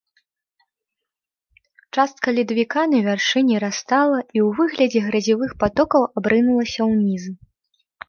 Частка ледавіка на вяршыні растала і ў выглядзе гразевых патокаў абрынулася ўніз.